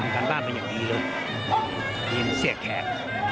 กล้ารมันยังยังมีหลุ่นสี่แขก